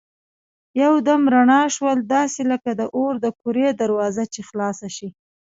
یو دم رڼا شول داسې لکه د اور د کورې دروازه چي خلاصه شي.